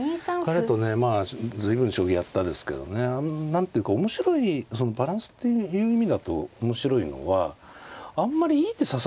彼とねまあ随分将棋やったですけどね何ていうか面白いバランスっていう意味だと面白いのはあんまりいい手指さないんですよね。